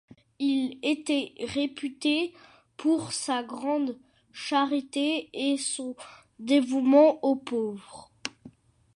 Il était réputé pour sa grande charité et son dévouement aux pauvres.